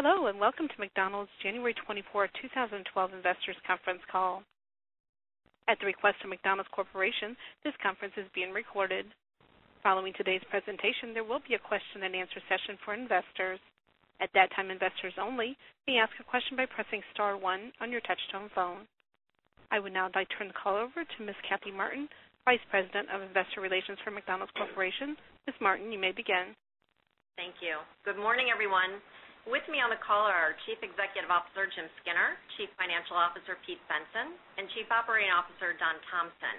Hello, and welcome to McDonald's January 24, 2012 Investors Conference call. At the request of McDonald's Corporation, this conference is being recorded. Following today's presentation, there will be a question-and-answer session for investors. At that time, investors only may ask a question by pressing star one on your touch-tone phone. I would now like to turn the call over to Ms. Kathy Martin, Vice President of Investor Relations for McDonald's Corporation. Ms. Martin, you may begin. Thank you. Good morning, everyone. With me on the call are Chief Executive Officer Jim Skinner, Chief Financial Officer Pete Benson, and Chief Operating Officer Don Thompson.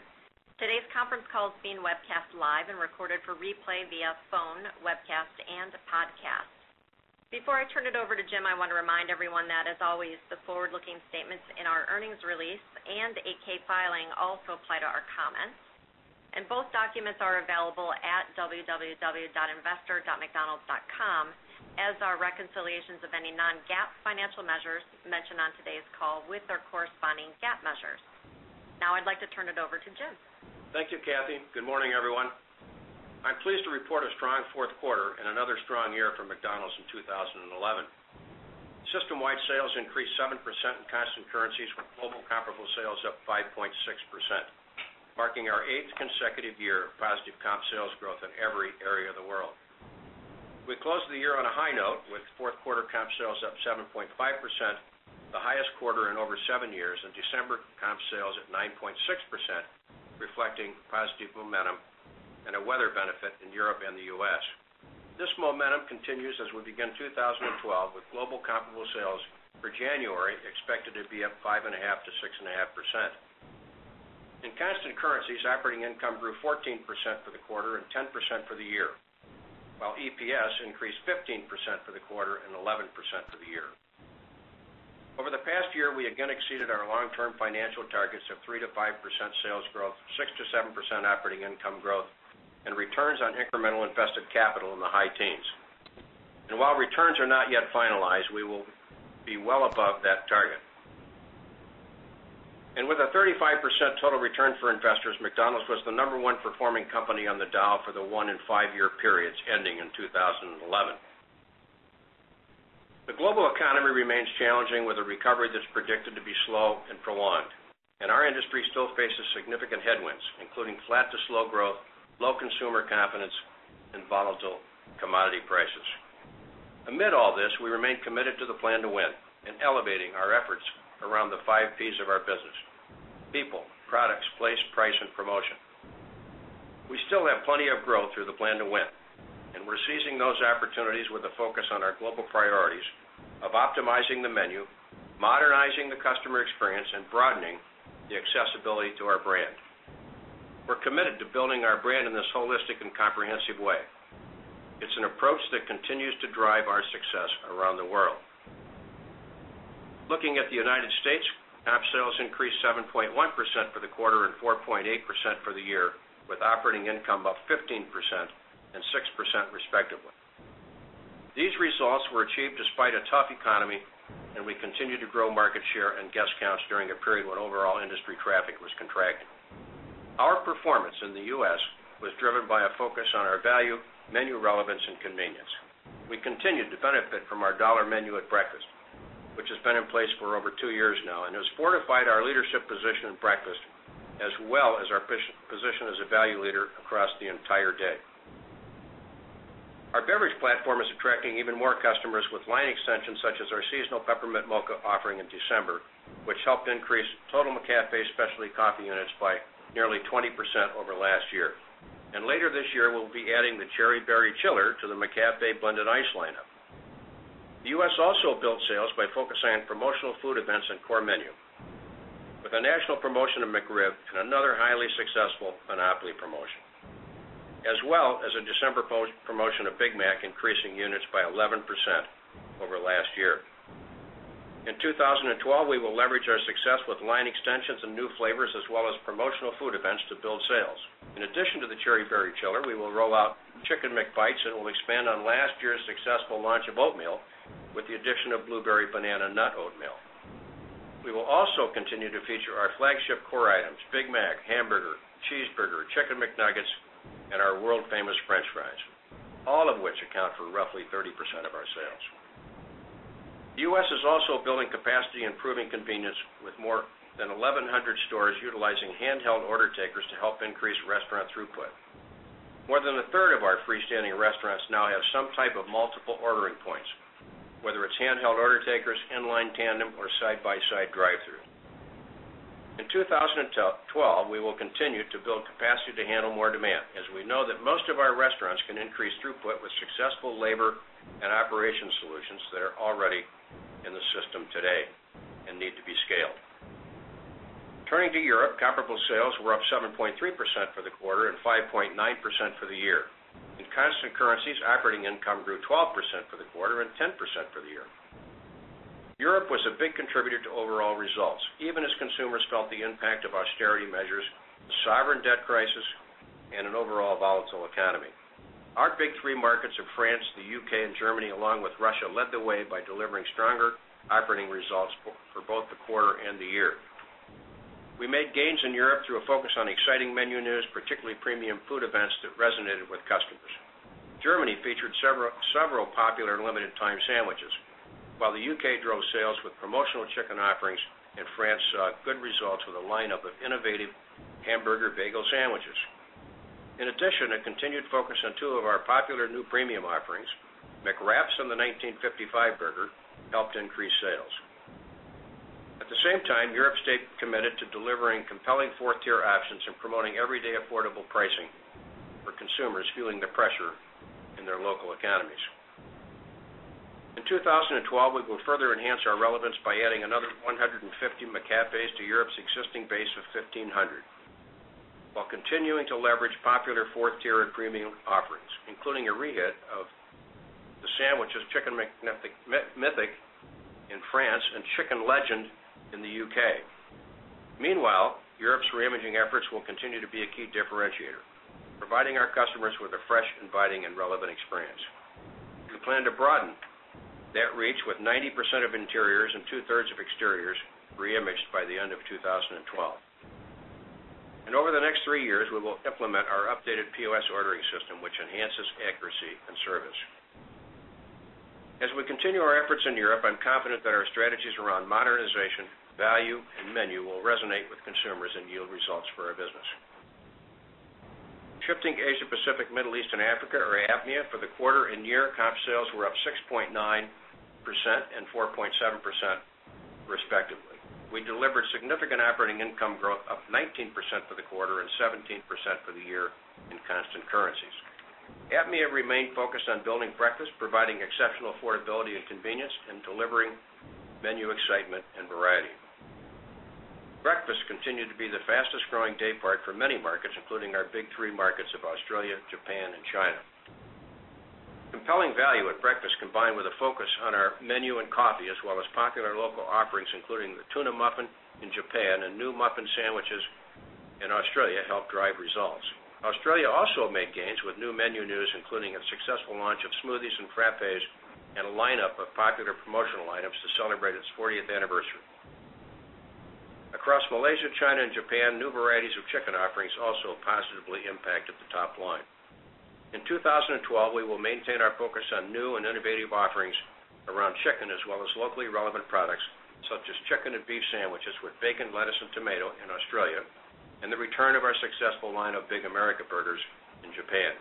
Today's conference call is being webcast live and recorded for replay via phone, webcast, and podcast. Before I turn it over to Jim, I want to remind everyone that, as always, the forward-looking statements in our earnings release and 8-K filing also apply to our comments. Both documents are available at www.investor.mcdonalds.com as are reconciliations of any non-GAAP financial measures mentioned on today's call with their corresponding GAAP measures. Now I'd like to turn it over to Jim. Thank you, Kathy. Good morning, everyone. I'm pleased to report a strong fourth quarter and another strong year for McDonald's in 2011. System-wide sales increased 7% in constant currencies, with global comparable sales up 5.6%, marking our eighth consecutive year of positive comp sales growth in every area of the world. We closed the year on a high note, with fourth-quarter comp sales up 7.5%, the highest quarter in over seven years, and December comp sales at 9.6%, reflecting positive momentum and a weather benefit in Europe and the U.S. This momentum continues as we begin 2012 with global comparable sales for January expected to be up 5.5%-6.5%. In constant currencies, operating income grew 14% for the quarter and 10% for the year, while EPS increased 15% for the quarter and 11% for the year. Over the past year, we again exceeded our long-term financial targets of 3%-5% sales growth, 6%-7% operating income growth, and returns on incremental invested capital in the high teens. While returns are not yet finalized, we will be well above that target. With a 35% total return for investors, McDonald's was the number one performing company on the Dow for the one and five-year periods ending in 2011. The global economy remains challenging, with a recovery that's predicted to be slow and prolonged. Our industry still faces significant headwinds, including flat to slow growth, low consumer confidence, and volatile commodity prices. Amid all this, we remain committed to the plan to win and elevating our efforts around the five P's of our business: people, products, place, price, and promotion. We still have plenty of growth through the plan to win. We're seizing those opportunities with a focus on our global priorities of optimizing the menu, modernizing the customer experience, and broadening the accessibility to our brand. We're committed to building our brand in this holistic and comprehensive way. It's an approach that continues to drive our success around the world. Looking at the United States, comp sales increased 7.1% for the quarter and 4.8% for the year, with operating income up 15% and 6% respectively. These results were achieved despite a tough economy, and we continued to grow market share and guest counts during a period when overall industry traffic was contracting. Our performance in the U.S. was driven by a focus on our value, menu relevance, and convenience. We continued to benefit from our Dollar Menu at breakfast, which has been in place for over two years now and has fortified our leadership position at breakfast, as well as our position as a value leader across the entire day. Our beverage platform is attracting even more customers with line extensions, such as our seasonal peppermint mocha offering in December, which helped increase total McCafé specialty coffee units by nearly 20% over last year. Later this year, we'll be adding the cherry berry chiller to the McCafé blended ice lineup. The U.S. also built sales by focusing on promotional food events and core menu, with a national promotion of McRib and another highly successful Monopoly promotion, as well as a December promotion of Big Mac, increasing units by 11% over last year. In 2012, we will leverage our success with line extensions and new flavors, as well as promotional food events to build sales. In addition to the cherry berry chiller, we will roll out Chicken McBites and will expand on last year's successful launch of oatmeal with the addition of blueberry banana nut oatmeal. We will also continue to feature our flagship core items: Big Mac, hamburger, cheeseburger, Chicken McNuggets, and our world-famous French fries, all of which account for roughly 30% of our sales. The U.S. is also building capacity and improving convenience with more than 1,100 stores utilizing handheld order takers to help increase restaurant throughput. More than a third of our freestanding restaurants now have some type of multiple ordering points, whether it's handheld order takers, in-line tandem, or side-by-side drive-through. In 2012, we will continue to build capacity to handle more demand, as we know that most of our restaurants can increase throughput with successful labor and operation solutions that are already in the system today and need to be scaled. Turning to Europe, comparable sales were up 7.3% for the quarter and 5.9% for the year. In constant currencies, operating income grew 12% for the quarter and 10% for the year. Europe was a big contributor to overall results, even as consumers felt the impact of austerity measures, the sovereign debt crisis, and an overall volatile economy. Our big three markets of France, the United Kingdom, and Germany, along with Russia, led the way by delivering stronger operating results for both the quarter and the year. We made gains in Europe through a focus on exciting menu news, particularly premium food events that resonated with customers. Germany featured several popular limited-time sandwiches, while the U.K. drove sales with promotional chicken offerings, and France saw good results with a lineup of innovative hamburger bagel sandwiches. In addition, a continued focus on two of our popular new premium offerings, McWraps and the 1955 burger, helped increase sales. At the same time, Europe stayed committed to delivering compelling fourth-tier options and promoting everyday affordable pricing for consumers feeling the pressure in their local economies. In 2012, we will further enhance our relevance by adding another 150 McCafés to Europe's existing base of 1,500, while continuing to leverage popular fourth-tier premium offerings, including a rehit of the sandwiches Chicken McMythic in France and Chicken Legend in the U.K. Meanwhile, Europe's reimaging efforts will continue to be a key differentiator, providing our customers with a fresh, inviting, and relevant experience. We plan to broaden that reach with 90% of interiors and two-thirds of exteriors reimaged by the end of 2012. Over the next three years, we will implement our updated POS ordering system, which enhances accuracy and service. As we continue our efforts in Europe, I'm confident that our strategies around modernization, value, and menu will resonate with consumers and yield results for our business. Shifting to Asia-Pacific, Middle East, and Africa, or APMEA, for the quarter and year, comp sales were up 6.9% and 4.7% respectively. We delivered significant operating income growth, up 19% for the quarter and 17% for the year in constant currencies. APMEA remained focused on building breakfast, providing exceptional affordability and convenience, and delivering menu excitement and variety. Breakfast continued to be the fastest growing day part for many markets, including our big three markets of Australia, Japan, and China. Compelling value at breakfast, combined with a focus on our menu and coffee, as well as popular local offerings, including the tuna muffin in Japan and new muffin sandwiches in Australia, helped drive results. Australia also made gains with new menu news, including a successful launch of smoothies and frappes and a lineup of popular promotional items to celebrate its 40th anniversary. Across Malaysia, China, and Japan, new varieties of chicken offerings also positively impacted the top line. In 2012, we will maintain our focus on new and innovative offerings around chicken, as well as locally relevant products such as chicken and beef sandwiches with bacon, lettuce, and tomato in Australia, and the return of our successful line of Big America burgers in Japan.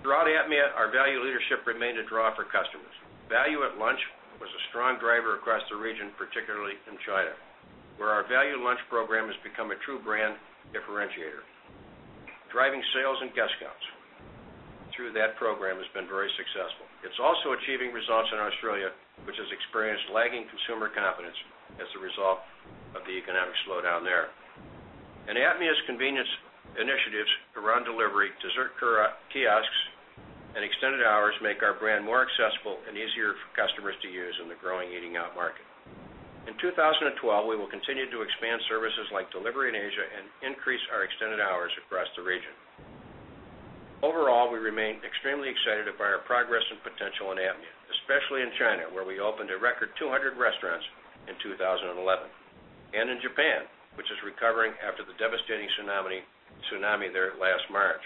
Throughout APMEA, our value leadership remained a draw for customers. Value at lunch was a strong driver across the region, particularly in China, where our value lunch program has become a true brand differentiator. Driving sales and guest counts through that program has been very successful. It's also achieving results in Australia, which has experienced lagging consumer confidence as a result of the economic slowdown there. APMEA's convenience initiatives around delivery, dessert kiosks, and extended hours make our brand more accessible and easier for customers to use in the growing eating out market. In 2012, we will continue to expand services like delivery in Asia and increase our extended hours across the region. Overall, we remain extremely excited about our progress and potential in APMEA, especially in China, where we opened a record 200 restaurants in 2011, and in Japan, which is recovering after the devastating tsunami there last March.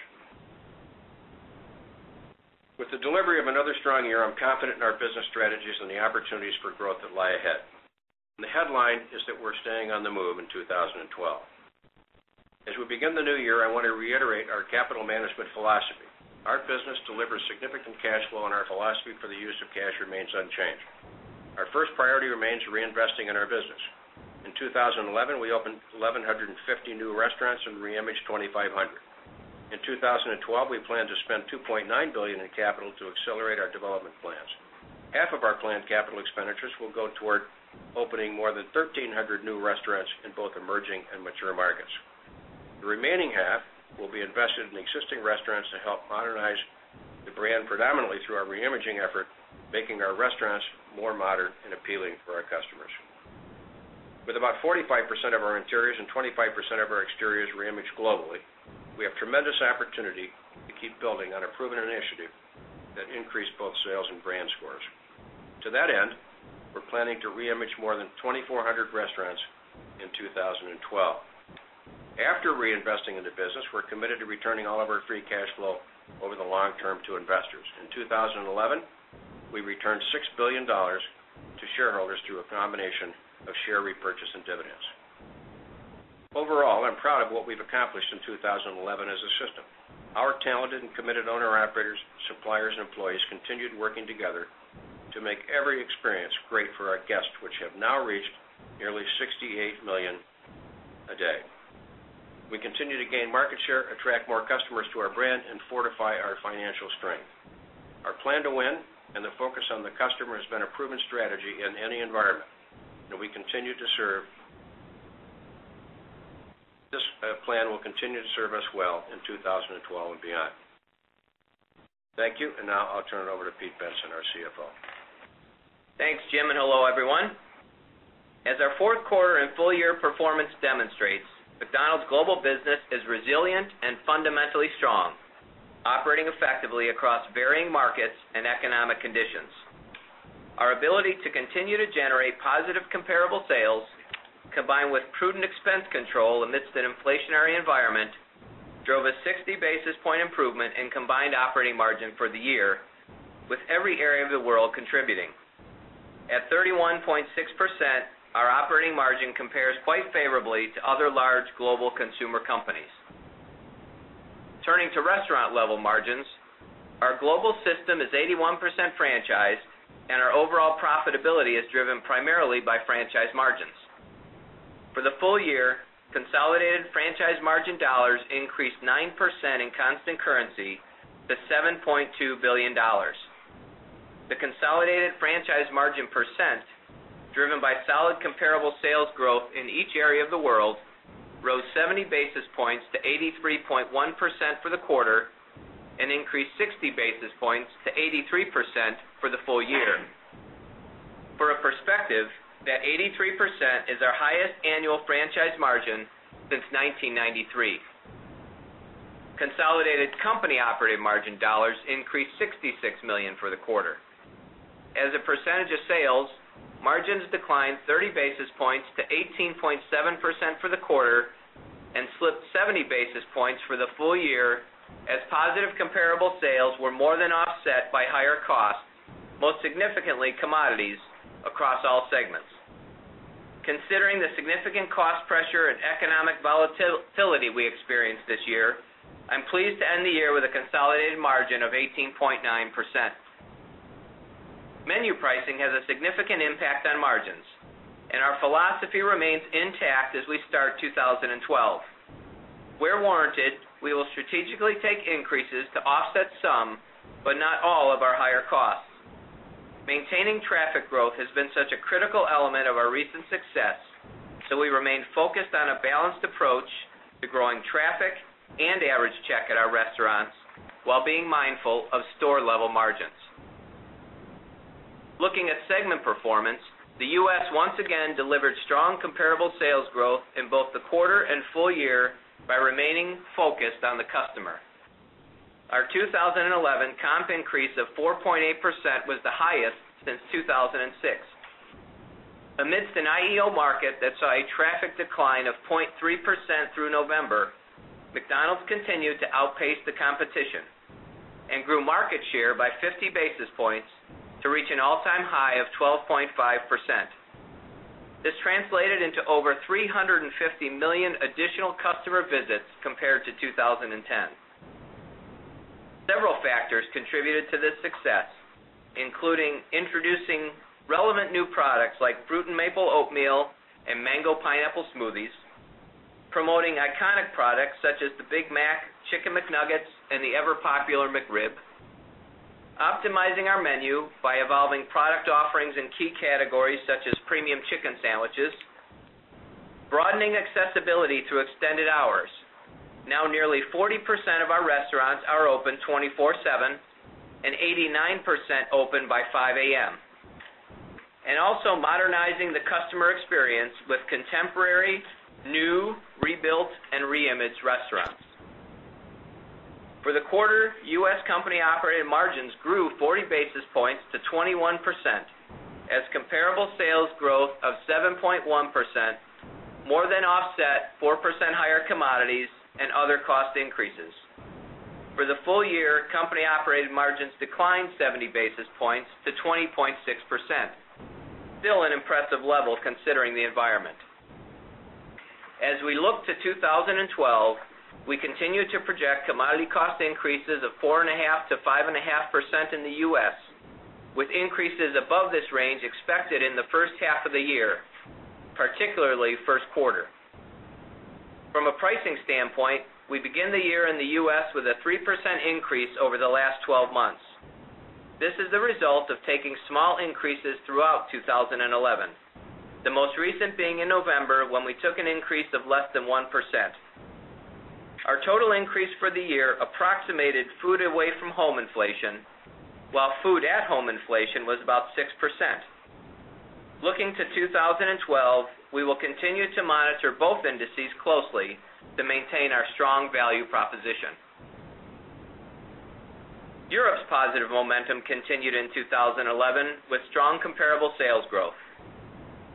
With the delivery of another strong year, I'm confident in our business strategies and the opportunities for growth that lie ahead. The headline is that we're staying on the move in 2012. As we begin the new year, I want to reiterate our capital management philosophy. Our business delivers significant cash flow, and our philosophy for the use of cash remains unchanged. Our first priority remains reinvesting in our business. In 2011, we opened 1,150 new restaurants and reimaged 2,500. In 2012, we plan to spend $2.9 billion in capital to accelerate our development plans. Half of our planned capital expenditures will go toward opening more than 1,300 new restaurants in both emerging and mature markets. The remaining half will be invested in existing restaurants to help modernize the brand predominantly through our reimaging effort, making our restaurants more modern and appealing for our customers. With about 45% of our interiors and 25% of our exteriors reimaged globally, we have tremendous opportunity to keep building on a proven initiative that increased both sales and brand scores. To that end, we're planning to reimage more than 2,400 restaurants in 2012. After reinvesting in the business, we're committed to returning all of our free cash flow over the long term to investors. In 2011, we returned $6 billion to shareholders through a combination of share repurchase and dividends. Overall, I'm proud of what we've accomplished in 2011 as a system. Our talented and committed owner-operators, suppliers, and employees continued working together to make every experience great for our guests, which have now reached nearly 68 million a day. We continue to gain market share, attract more customers to our brand, and fortify our financial strength. Our plan to win and the focus on the customer has been a proven strategy in any environment. We continue to serve. This plan will continue to serve us well in 2012 and beyond. Thank you. Now I'll turn it over to Pete Benson, our CFO. Thanks, Jim, and hello, everyone. As our fourth quarter and full-year performance demonstrates, McDonald's global business is resilient and fundamentally strong, operating effectively across varying markets and economic conditions. Our ability to continue to generate positive comparable sales, combined with prudent expense control amidst an inflationary environment, drove a 60 basis point improvement in combined operating margin for the year, with every area of the world contributing. At 31.6%, our operating margin compares quite favorably to other large global consumer companies. Turning to restaurant-level margins, our global system is 81% franchised, and our overall profitability is driven primarily by franchise margins. For the full year, consolidated franchise margin dollars increased 9% in constant currency to $7.2 billion. The consolidated franchise margin percent, driven by solid comparable sales growth in each area of the world, rose 70 basis points to 83.1% for the quarter and increased 60 basis points to 83% for the full year. For a perspective, that 83% is our highest annual franchise margin since 1993. Consolidated company operating margin dollars increased $66 million for the quarter. As a percentage of sales, margins declined 30 basis points to 18.7% for the quarter and slipped 70 basis points for the full year, as positive comparable sales were more than offset by higher costs, most significantly commodities, across all segments. Considering the significant cost pressure and economic volatility we experienced this year, I'm pleased to end the year with a consolidated margin of 18.9%. Menu pricing has a significant impact on margins, and our philosophy remains intact as we start 2012. Where warranted, we will strategically take increases to offset some, but not all, of our higher costs. Maintaining traffic growth has been such a critical element of our recent success, so we remain focused on a balanced approach to growing traffic and average check at our restaurants, while being mindful of store-level margins. Looking at segment performance, the U.S. once again delivered strong comparable sales growth in both the quarter and full year by remaining focused on the customer. Our 2011 comp increase of 4.8% was the highest since 2006. Amidst an IEO market that saw a traffic decline of 0.3% through November, McDonald's continued to outpace the competition and grew market share by 50 basis points to reach an all-time high of 12.5%. This translated into over 350 million additional customer visits compared to 2010. Several factors contributed to this success, including introducing relevant new products like fruit and maple oatmeal and mango pineapple smoothies, promoting iconic products such as the Big Mac, Chicken McNuggets, and the ever-popular McRib, optimizing our menu by evolving product offerings in key categories such as premium chicken sandwiches, broadening accessibility through extended hours. Now, nearly 40% of our restaurants are open 24/7 and 89% open by 5:00 A.M., and also modernizing the customer experience with contemporary, new, rebuilt, and reimaged restaurants. For the quarter, U.S. company operating margins grew 40 basis points to 21%, as comparable sales growth of 7.1% more than offset 4% higher commodities and other cost increases. For the full year, company operating margins declined 70 basis points to 20.6%, still an impressive level considering the environment. As we look to 2012, we continue to project commodity cost increases of 4.5%-5.5% in the U.S., with increases above this range expected in the first half of the year, particularly first quarter. From a pricing standpoint, we begin the year in the U.S. with a 3% increase over the last 12 months. This is the result of taking small increases throughout 2011, the most recent being in November when we took an increase of less than 1%. Our total increase for the year approximated food-away-from-home inflation, while food-at-home inflation was about 6%. Looking to 2012, we will continue to monitor both indices closely to maintain our strong value proposition. Europe's positive momentum continued in 2011 with strong comparable sales growth.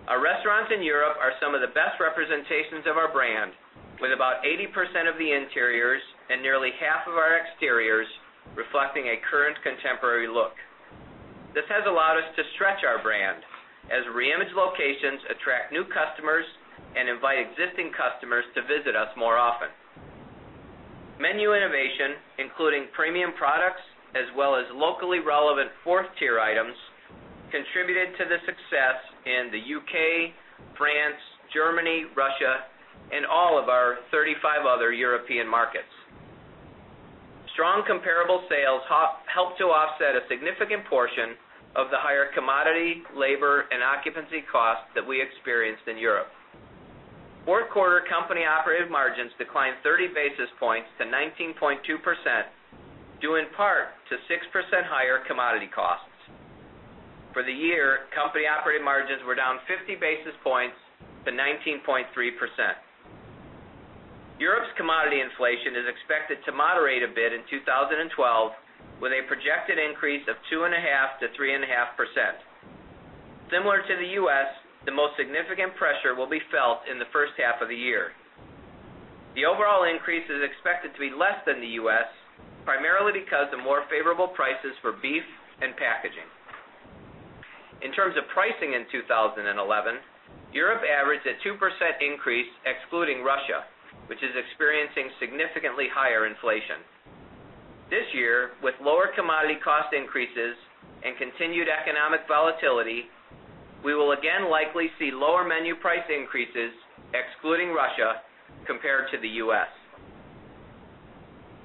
Our restaurants in Europe are some of the best representations of our brand, with about 80% of the interiors and nearly half of our exteriors reflecting a current contemporary look. This has allowed us to stretch our brand, as reimaged locations attract new customers and invite existing customers to visit us more often. Menu innovation, including premium products as well as locally relevant fourth-tier items, contributed to the success in the U.K., France, Germany, Russia, and all of our 35 other European markets. Strong comparable sales helped to offset a significant portion of the higher commodity, labor, and occupancy costs that we experienced in Europe. Fourth quarter company operating margins declined 30 basis points to 19.2%, due in part to 6% higher commodity costs. For the year, company operating margins were down 50 basis points to 19.3%. Europe's commodity inflation is expected to moderate a bit in 2012, with a projected increase of 2.5%-3.5%. Similar to the U.S., the most significant pressure will be felt in the first half of the year. The overall increase is expected to be less than the U.S., primarily because of more favorable prices for beef and packaging. In terms of pricing in 2011, Europe averaged a 2% increase, excluding Russia, which is experiencing significantly higher inflation. This year, with lower commodity cost increases and continued economic volatility, we will again likely see lower menu price increases, excluding Russia, compared to the U.S.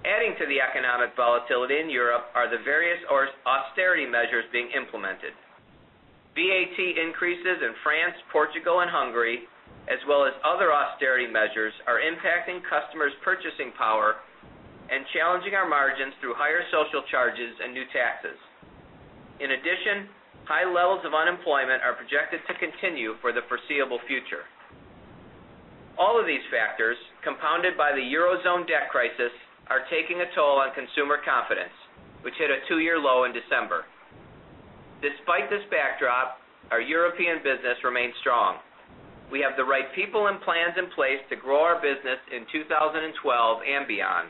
Adding to the economic volatility in Europe are the various austerity measures being implemented. VAT increases in France, Portugal, and Hungary, as well as other austerity measures, are impacting customers' purchasing power and challenging our margins through higher social charges and new taxes. In addition, high levels of unemployment are projected to continue for the foreseeable future. All of these factors, compounded by the eurozone debt crisis, are taking a toll on consumer confidence, which hit a two-year low in December. Despite this backdrop, our European business remains strong. We have the right people and plans in place to grow our business in 2012 and beyond.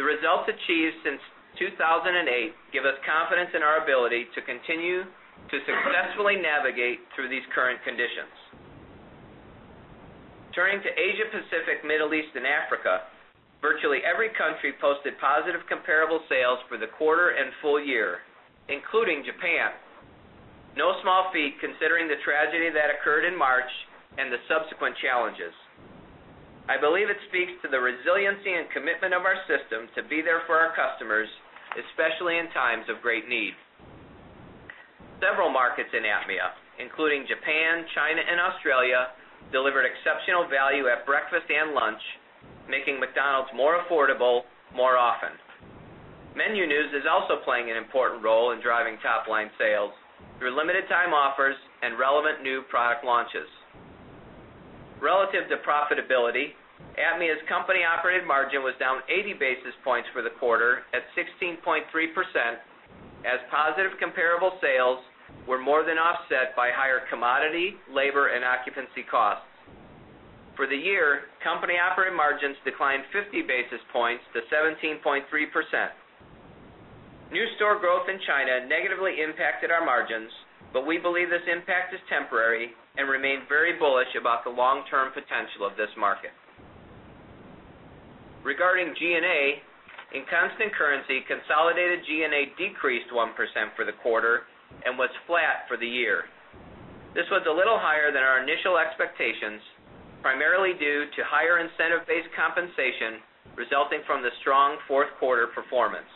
The results achieved since 2008 give us confidence in our ability to continue to successfully navigate through these current conditions. Turning to Asia-Pacific, Middle East, and Africa, virtually every country posted positive comparable sales for the quarter and full year, including Japan. No small feat, considering the tragedy that occurred in March and the subsequent challenges. I believe it speaks to the resiliency and commitment of our system to be there for our customers, especially in times of great need. Several markets in APMEA, including Japan, China, and Australia, delivered exceptional value at breakfast and lunch, making McDonald's more affordable more often. Menu news is also playing an important role in driving top line sales through limited-time offers and relevant new product launches. Relative to profitability, APMEA's company operating margin was down 80 basis points for the quarter at 16.3%, as positive comparable sales were more than offset by higher commodity, labor, and occupancy costs. For the year, company operating margins declined 50 basis points to 17.3%. New store growth in China negatively impacted our margins, but we believe this impact is temporary and remain very bullish about the long-term potential of this market. Regarding G&A, in constant currency, consolidated G&A decreased 1% for the quarter and was flat for the year. This was a little higher than our initial expectations, primarily due to higher incentive-based compensation resulting from the strong fourth quarter performance.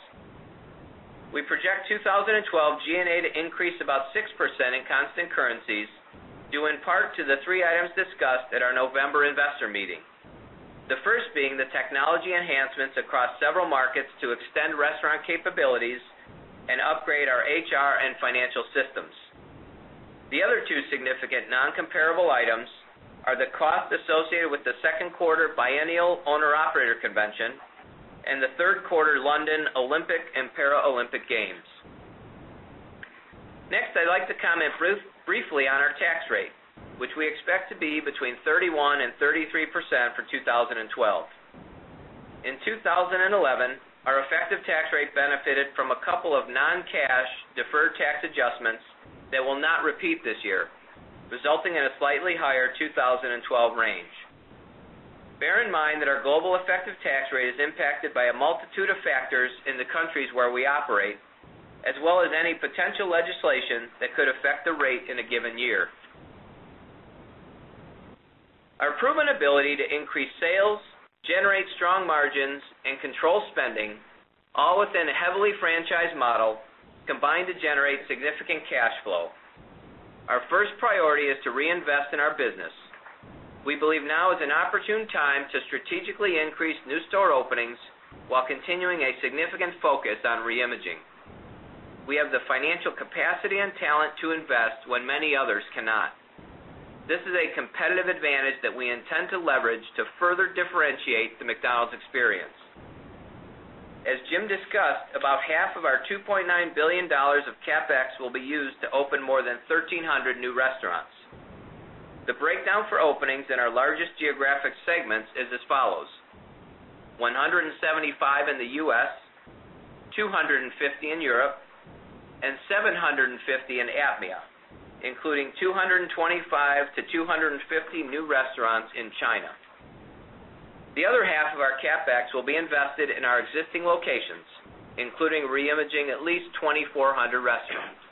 We project 2012 G&A to increase about 6% in constant currencies, due in part to the three items discussed at our November investor meeting, the first being the technology enhancements across several markets to extend restaurant capabilities and upgrade our HR and financial systems. The other two significant non-comparable items are the costs associated with the second quarter Biennial Owner-Operator Convention and the third quarter London Olympic and Para-Olympic Games. Next, I'd like to comment briefly on our tax rate, which we expect to be between 31% and 33% for 2012. In 2011, our effective tax rate benefited from a couple of non-cash deferred tax adjustments that will not repeat this year, resulting in a slightly higher 2012 range. Bear in mind that our global effective tax rate is impacted by a multitude of factors in the countries where we operate, as well as any potential legislation that could affect the rate in a given year. Our proven ability to increase sales, generate strong margins, and control spending, all within a heavily franchised model, combined to generate significant cash flow. Our first priority is to reinvest in our business. We believe now is an opportune time to strategically increase new store openings while continuing a significant focus on reimaging. We have the financial capacity and talent to invest when many others cannot. This is a competitive advantage that we intend to leverage to further differentiate the McDonald's experience. As Jim discussed, about half of our $2.9 billion of CapEx will be used to open more than 1,300 new restaurants. The breakdown for openings in our largest geographic segments is as follows: 175 in the U.S., 250 in Europe, and 750 in APMEA, including 225-250 new restaurants in China. The other half of our CapEx will be invested in our existing locations, including reimaging at least 2,400 restaurants.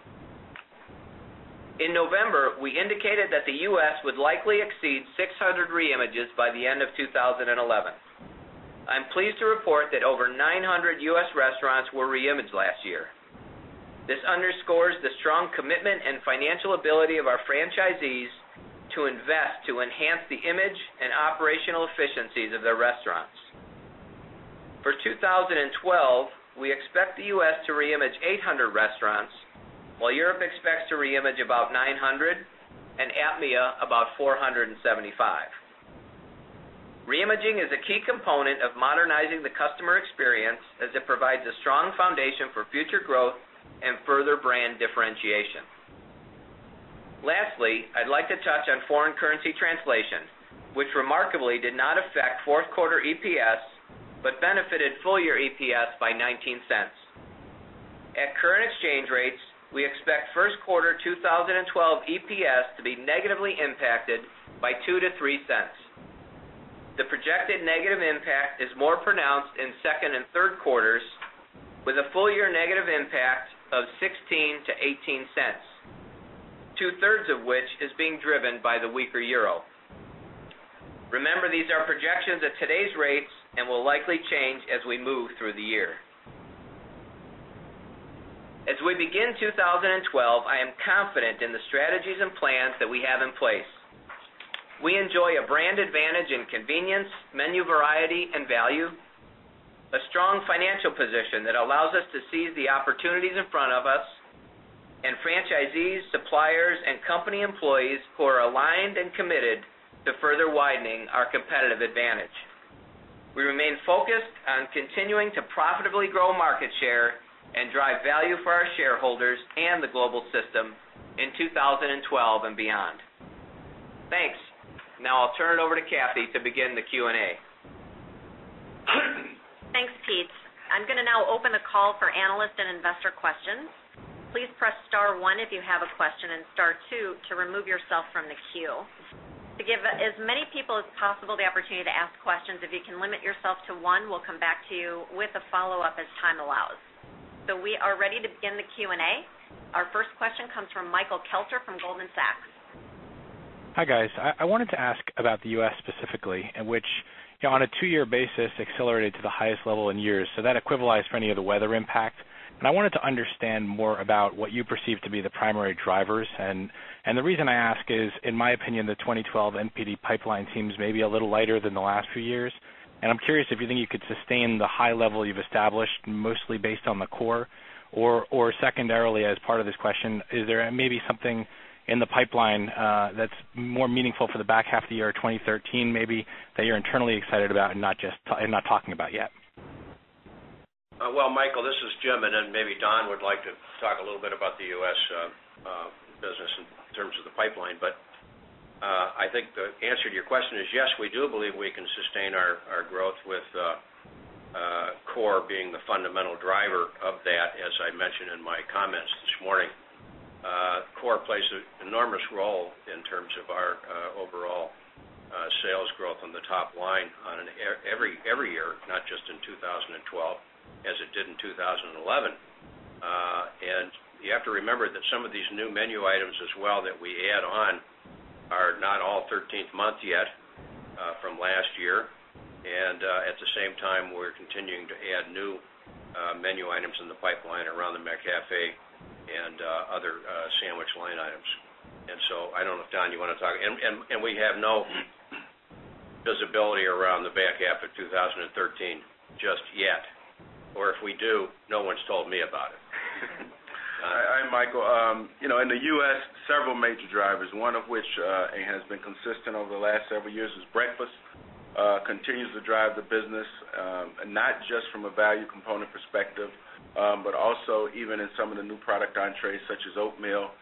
In November, we indicated that the U.S. would likely exceed 600 reimages by the end of 2011. I'm pleased to report that over 900 U.S. restaurants were reimaged last year. This underscores the strong commitment and financial ability of our franchisees to invest to enhance the image and operational efficiencies of their restaurants. For 2012, we expect the U.S. to reimage 800 restaurants, while Europe expects to reimage about 900 and APMEA about 475. Reimaging is a key component of modernizing the customer experience, as it provides a strong foundation for future growth and further brand differentiation. Lastly, I'd like to touch on foreign currency translation, which remarkably did not affect fourth quarter EPS but benefited full-year EPS by $0.19. At current exchange rates, we expect first quarter 2012 EPS to be negatively impacted by $0.02-$0.03. The projected negative impact is more pronounced in second and third quarters, with a full-year negative impact of $0.16-$0.18, two-thirds of which is being driven by the weaker Euro. Remember, these are projections at today's rates and will likely change as we move through the year. As we begin 2012, I am confident in the strategies and plans that we have in place. We enjoy a brand advantage in convenience, menu variety, and value, a strong financial position that allows us to seize the opportunities in front of us, and franchisees, suppliers, and company employees who are aligned and committed to further widening our competitive advantage. We remain focused on continuing to profitably grow market share and drive value for our shareholders and the global system in 2012 and beyond. Thanks. Now I'll turn it over to Kathy to begin the Q&A. Thanks, Pete. I'm going to now open the call for analyst and investor questions. Please press star one if you have a question and star two to remove yourself from the queue. To give as many people as possible the opportunity to ask questions, if you can limit yourself to one, we'll come back to you with a follow-up as time allows. We are ready to begin the Q&A. Our first question comes from Michael Kelter from Goldman Sachs. Hi guys, I wanted to ask about the U.S. specifically, which on a two-year basis accelerated to the highest level in years. That equivocalized for any of the weather impacts. I wanted to understand more about what you perceive to be the primary drivers. The reason I ask is, in my opinion, the 2012 MPD pipeline seems maybe a little lighter than the last few years. I'm curious if you think you could sustain the high level you've established mostly based on the core or secondarily as part of this question. Is there maybe something in the pipeline that's more meaningful for the back half of the year or 2013 maybe that you're internally excited about and not talking about yet? Michael, this is Jim and then maybe Don would like to talk a little bit about the U.S. business in terms of the pipeline. I think the answer to your question is yes, we do believe we can sustain our growth with core being the fundamental driver of that, as I mentioned in my comments this morning. Core plays an enormous role in terms of our overall sales growth on the top line every year, not just in 2012 as it did in 2011. You have to remember that some of these new menu items as well that we add on are not all 13th month yet from last year. At the same time, we're continuing to add new menu items in the pipeline around the McCafé and other sandwich line items. I don't know if Don, you want to talk. We have no visibility around the back half of 2013 just yet. If we do, no one's told me about it. I'm Michael. You know, in the U.S., several major drivers, one of which has been consistent over the last several years, is breakfast, which continues to drive the business, not just from a value component perspective, but also even in some of the new product entrees such as oatmeal.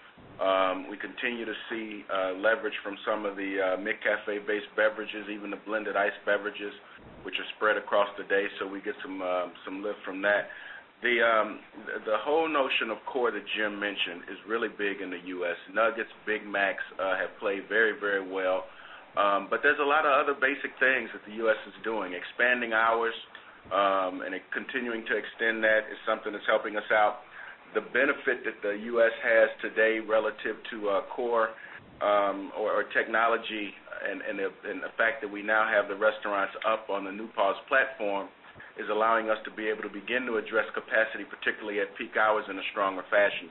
We continue to see leverage from some of the McCafé beverages, even the blended iced beverages, which are spread across the day. We get some lift from that. The whole notion of core that Jim mentioned is really big in the U.S. Nuggets, Big Macs have played very, very well. There are a lot of other basic things that the U.S. is doing. Expanding hours and continuing to extend that is something that's helping us out. The benefit that the U.S. has today relative to core or technology and the fact that we now have the restaurants up on the new Paws platform is allowing us to be able to begin to address capacity, particularly at peak hours in a stronger fashion.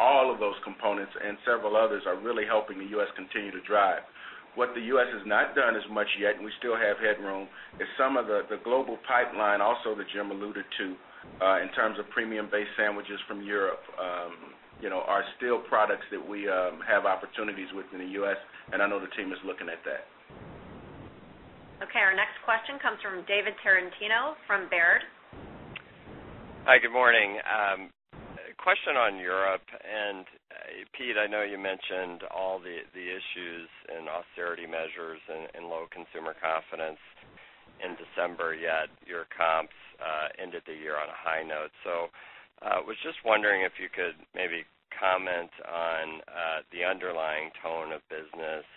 All of those components and several others are really helping the U.S. continue to drive. What the U.S. has not done as much yet, and we still have headroom, is some of the global pipeline also that Jim alluded to in terms of premium-based sandwiches from Europe are still products that we have opportunities within the U.S. I know the team is looking at that. Okay, our next question comes from David Tarantino from Baird. Hi, good morning. Question on Europe. Pete, I know you mentioned all the issues and austerity measures and low consumer confidence in December, yet your comps ended the year on a high note. I was just wondering if you could maybe comment on the underlying tone of business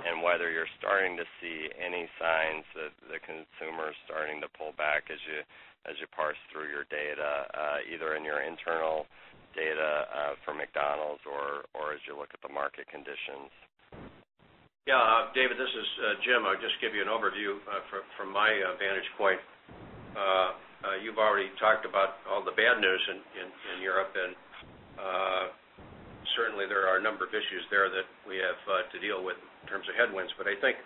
and whether you're starting to see any signs that the consumer is starting to pull back as you parse through your data, either in your internal data for McDonald's or as you look at the market conditions. Yeah, David, this is Jim. I'll just give you an overview from my vantage point. You've already talked about all the bad news in Europe. Certainly, there are a number of issues there that we have to deal with in terms of headwinds. I think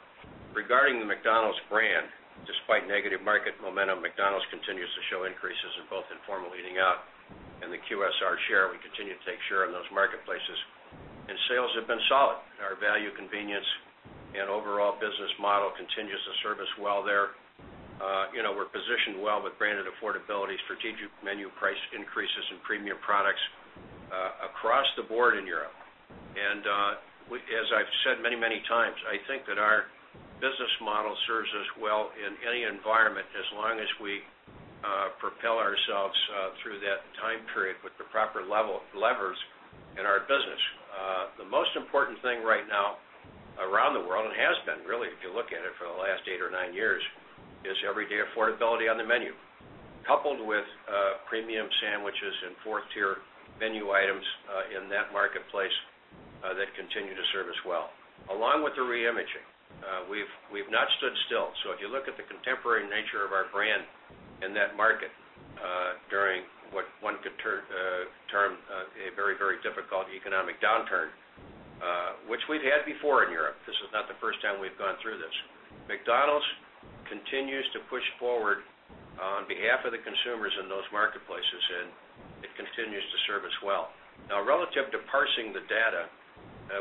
regarding the McDonald's brand, despite negative market momentum, McDonald's continues to show increases in both informal eating out and the QSR share. We continue to take share in those marketplaces, and sales have been solid. Our value, convenience, and overall business model continue to serve us well there. You know, we're positioned well with branded affordability, strategic menu price increases, and premium products across the board in Europe. As I've said many, many times, I think that our business model serves us well in any environment as long as we propel ourselves through that time period with the proper levers in our business. The most important thing right now around the world, and has been really, if you look at it for the last eight or nine years, is everyday affordability on the menu, coupled with premium sandwiches and fourth-tier menu items in that marketplace that continue to serve us well. Along with the reimaging, we've not stood still. If you look at the contemporary nature of our brand in that market during what one could term a very, very difficult economic downturn, which we've had before in Europe, this is not the first time we've gone through this. McDonald's continues to push forward on behalf of the consumers in those marketplaces, and it continues to serve us well. Now, relative to parsing the data,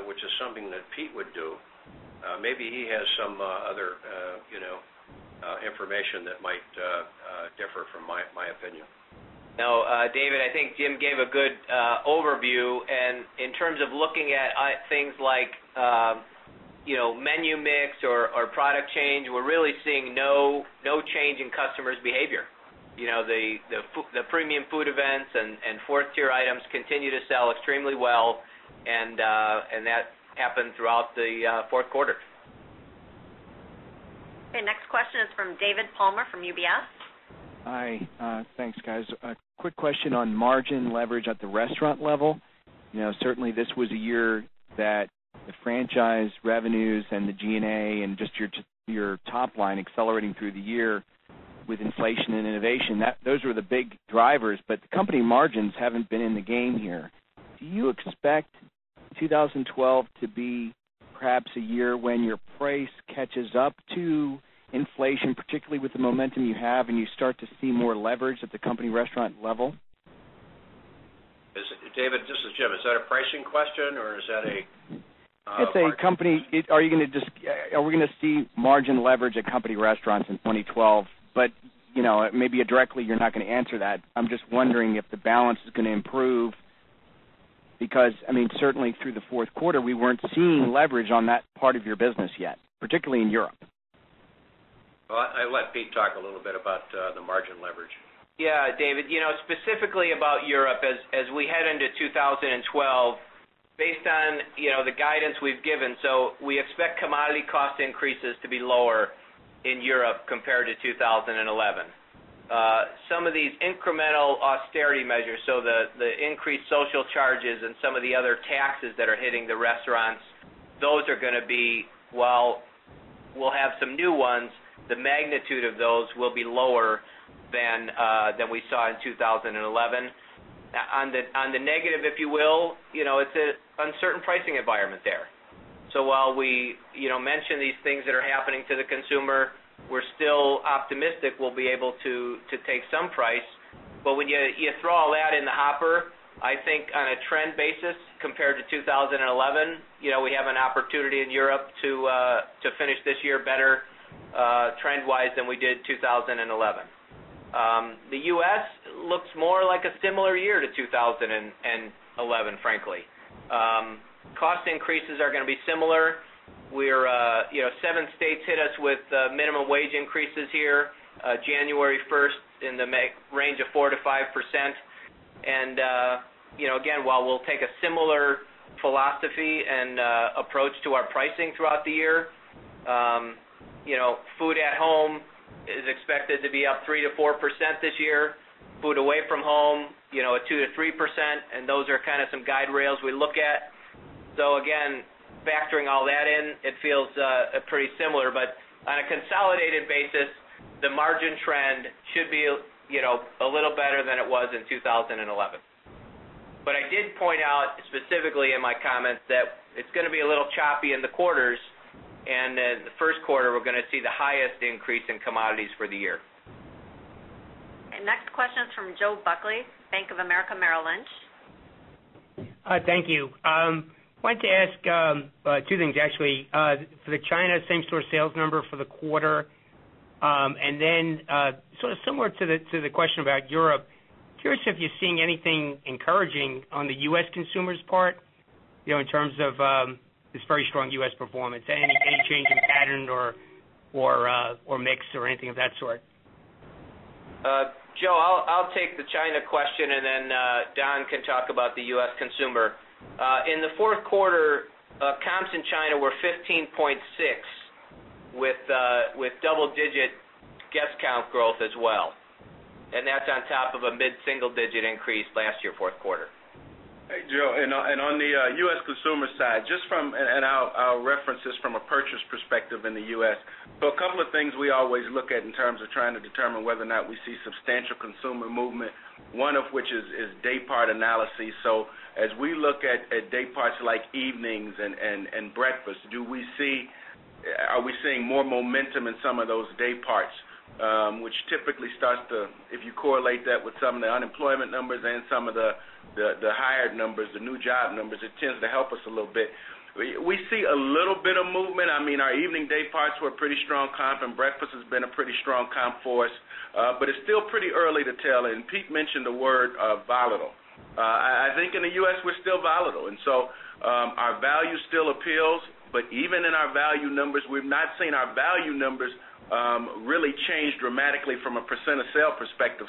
which is something that Pete would do, maybe he has some other information that might differ from my opinion. Now, David, I think Jim gave a good overview. In terms of looking at things like menu mix or product change, we're really seeing no change in customers' behavior. The premium food events and fourth-tier items continue to sell extremely well. That happened throughout the fourth quarter. Okay, next question is from David Palmer from UBS. Hi, thanks guys. A quick question on margin leverage at the restaurant level. You know, certainly this was a year that the franchise revenues and the G&A and just your top line accelerating through the year with inflation and innovation, those were the big drivers. The company margins haven't been in the game here. Do you expect 2012 to be perhaps a year when your price catches up to inflation, particularly with the momentum you have and you start to see more leverage at the company restaurant level? David, this is Jim. Is that a pricing question? Are we going to see margin leverage at company restaurants in 2012? Maybe directly you're not going to answer that. I'm just wondering if the balance is going to improve because certainly through the fourth quarter, we weren't seeing leverage on that part of your business yet, particularly in Europe. I'll let Pete talk a little bit about the margin leverage. Yeah, David, you know, specifically about Europe, as we head into 2012, based on the guidance we've given, we expect commodity cost increases to be lower in Europe compared to 2011. Some of these incremental austerity measures, the increased social charges and some of the other taxes that are hitting the restaurants, those are going to be, we'll have some new ones. The magnitude of those will be lower than we saw in 2011. On the negative, it's an uncertain pricing environment there. While we mention these things that are happening to the consumer, we're still optimistic we'll be able to take some price. When you throw all that in the hopper, I think on a trend basis compared to 2011, we have an opportunity in Europe to finish this year better trend-wise than we did 2011. The U.S. looks more like a similar year to 2011, frankly. Cost increases are going to be similar. We're, you know, seven states hit us with minimum wage increases here, January 1st in the range of 4%-5%. Again, while we'll take a similar philosophy and approach to our pricing throughout the year, food at home is expected to be up 3%-4% this year. Food away from home, 2%-3%. Those are kind of some guide rails we look at. Again, factoring all that in, it feels pretty similar. On a consolidated basis, the margin trend should be a little better than it was in 2011. I did point out specifically in my comments that it's going to be a little choppy in the quarters. In the first quarter, we're going to see the highest increase in commodities for the year. The next question is from Joe Buckley, Bank of America. Thank you. I want to ask two things, actually. For the China same-store sales number for the quarter, and then, sort of similar to the question about Europe, curious if you're seeing anything encouraging on the U.S. consumer's part, you know, in terms of this very strong U.S. performance. Any change in pattern or mix or anything of that sort? Joe, I'll take the China question, then Don can talk about the U.S. consumer. In the fourth quarter, comps in China were 15.6% with double-digit guest count growth as well. That's on top of a mid-single-digit increase last year, fourth quarter. Hey Joe, on the U.S. consumer side, just from, and I'll reference this from a purchase perspective in the U.S., a couple of things we always look at in terms of trying to determine whether or not we see substantial consumer movement, one of which is day part analysis. As we look at day parts like evenings and breakfast, do we see, are we seeing more momentum in some of those day parts, which typically starts to, if you correlate that with some of the unemployment numbers and some of the hired numbers, the new job numbers, it tends to help us a little bit. We see a little bit of movement. I mean, our evening day parts were pretty strong comp and breakfast has been a pretty strong comp force. It's still pretty early to tell. Pete mentioned the word volatile. I think in the U.S., we're still volatile. Our value still appeals, but even in our value numbers, we've not seen our value numbers really change dramatically from a % of sale perspective.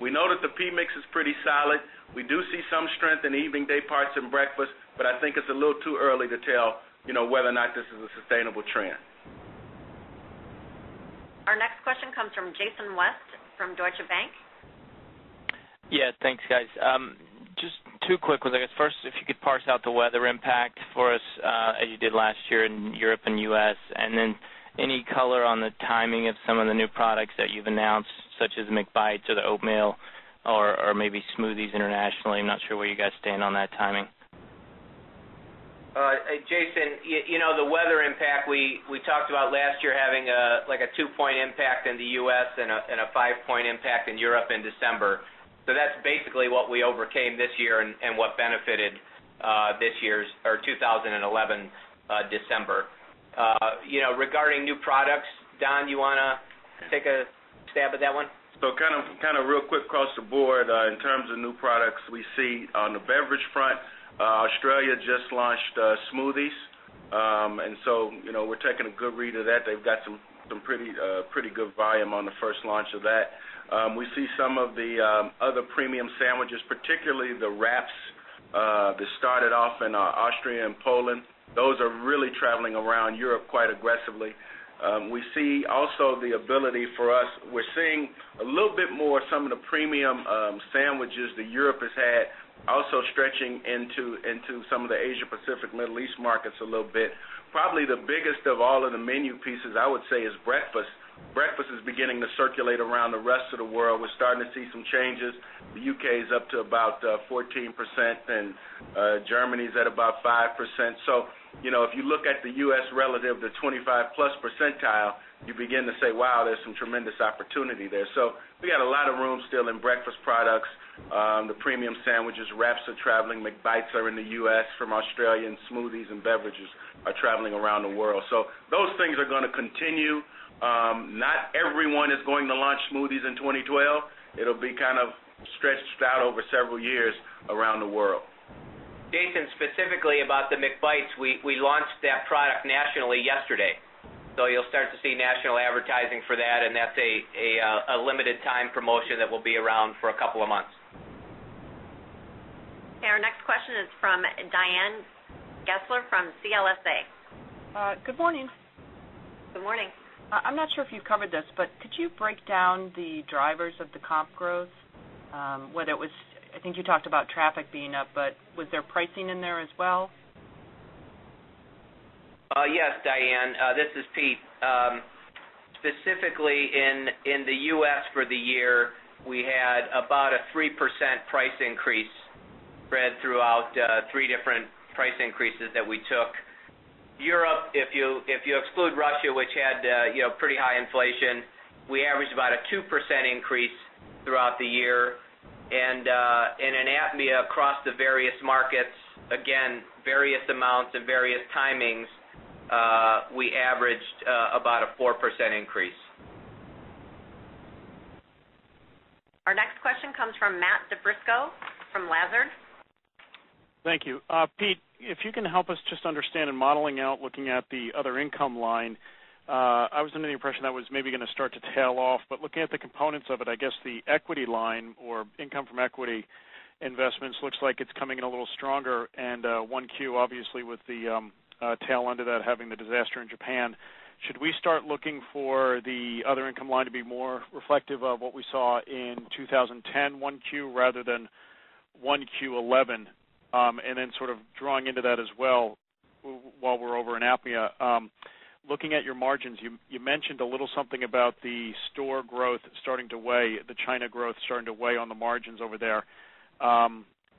We know that the P-mix is pretty solid. We do see some strength in the evening day parts and breakfast, but I think it's a little too early to tell, you know, whether or not this is a sustainable trend. Our next question comes from Jason West from Deutsche Bank. Yeah, thanks guys. Just two quick ones, I guess. First, if you could parse out the weather impact for us, as you did last year in Europe and the U.S., and then any color on the timing of some of the new products that you've announced, such as McBites or the oatmeal or maybe smoothies internationally. I'm not sure where you guys stand on that timing. Hey Jason, you know, the weather impact, we talked about last year having like a 2% impact in the U.S. and a 5% impact in Europe in December. That's basically what we overcame this year and what benefited this year's or 2011 December. You know, regarding new products, Don, you want to take a stab at that one? Real quick across the board, in terms of new products, we see on the beverage front, Australia just launched smoothies. We’re taking a good read of that. They’ve got some pretty good volume on the first launch of that. We see some of the other premium sandwiches, particularly the wraps that started off in Austria and Poland. Those are really traveling around Europe quite aggressively. We see also the ability for us, we’re seeing a little bit more of some of the premium sandwiches that Europe has had also stretching into some of the Asia-Pacific, Middle East markets a little bit. Probably the biggest of all of the menu pieces I would say is breakfast. Breakfast is beginning to circulate around the rest of the world. We’re starting to see some changes. The U.K. is up to about 14% and Germany is at about 5%. If you look at the U.S. relative to 25%+, you begin to say, wow, there’s some tremendous opportunity there. We got a lot of room still in breakfast products. The premium sandwiches, wraps are traveling, McBites are in the U.S. from Australia, and smoothies and beverages are traveling around the world. Those things are going to continue. Not everyone is going to launch smoothies in 2012. It’ll be kind of stretched out over several years around the world. Jason, specifically about the McBites, we launched that product nationally yesterday. You'll start to see national advertising for that, and that's a limited time promotion that will be around for a couple of months. Okay, our next question is from Diane Gessler from CLSA. Good morning. Good morning. I'm not sure if you've covered this, but could you break down the drivers of the comp growth? Whether it was, I think you talked about traffic being up, was there pricing in there as well? Yes, Diane. This is Pete. Specifically in the U.S. for the year, we had about a 3% price increase spread throughout three different price increases that we took. Europe, if you exclude Russia, which had pretty high inflation, we averaged about a 2% increase throughout the year. In APMEA across the various markets, again, various amounts and various timings, we averaged about a 4% increase. Our next question comes from Matt DiFrisco from Lazard. Thank you. Pete, if you can help us just understand in modeling out, looking at the other income line, I was under the impression that was maybe going to start to tail off. Looking at the components of it, I guess the equity line or income from equity investments looks like it's coming in a little stronger. In 1Q, obviously, with the tail under that having the disaster in Japan. Should we start looking for the other income line to be more reflective of what we saw in 2010 1Q rather than 1Q 2011? Drawing into that as well while we're over in APMEA, looking at your margins, you mentioned a little something about the store growth starting to weigh, the China growth starting to weigh on the margins over there.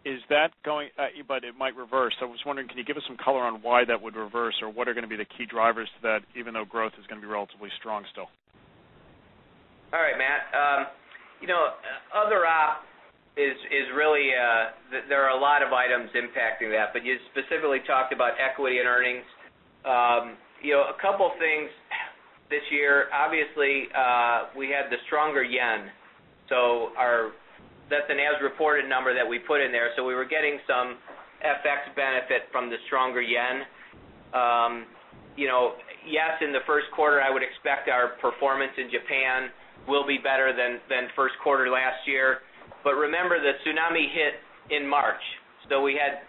Is that going, but it might reverse. I was wondering, can you give us some color on why that would reverse or what are going to be the key drivers to that, even though growth is going to be relatively strong still? All right, Matt. You know, there are a lot of items impacting that. You specifically talked about equity and earnings. A couple of things this year, obviously, we had the stronger yen. That's an as-reported number that we put in there. We were getting some FX benefit from the stronger yen. Yes, in the first quarter, I would expect our performance in Japan will be better than first quarter last year. Remember, the tsunami hit in March. We had